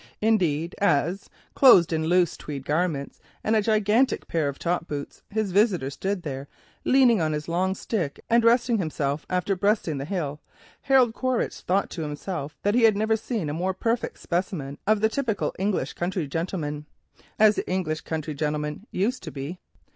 Indeed, as clothed in loose tweed garments and a gigantic pair of top boots, his visitor stood leaning on his long stick and resting himself after facing the hill, Harold Quaritch thought that he had never seen a more perfect specimen of the typical English country gentleman—as the English country gentleman used to be.